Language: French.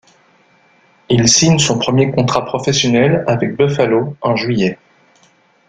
Il signe son premier contrat professionnel avec Buffalo en juillet.